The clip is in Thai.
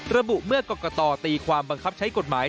ระบุเมื่อกรกตีความบังคับใช้กฎหมาย